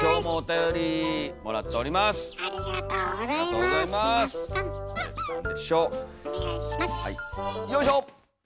よいしょ！